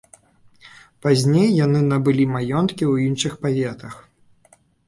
Пазней яны набылі маёнткі ў іншых паветах.